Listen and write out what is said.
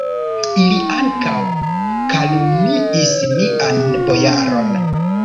Ili ankaŭ kalumniis mian bojaron!